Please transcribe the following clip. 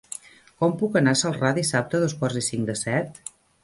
Com puc anar a Celrà dissabte a dos quarts i cinc de set?